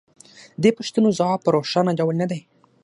د دې پوښتنو ځواب په روښانه ډول نه دی